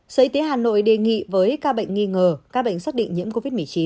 sở y tế hà nội đề nghị với ca bệnh nghi ngờ các bệnh xác định nhiễm covid một mươi chín